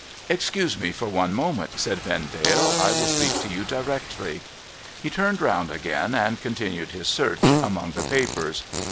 Excuse me for one moment,' said Vendale ;' I will speak to you directly.' He turned round again, and continued his search among the papers.